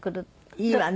いいわね。